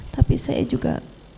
tapi saya juga